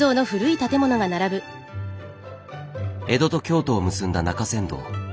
江戸と京都を結んだ中山道。